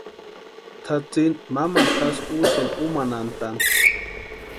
Tʼatsïni mamaru jásï úsïni úmanhantʼani.